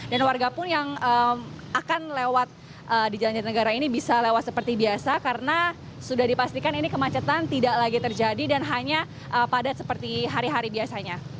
dan warga pun yang akan lewat di jalan jatinegara ini bisa lewat seperti biasa karena sudah dipastikan ini kemacetan tidak lagi terjadi dan hanya padat seperti hari hari biasanya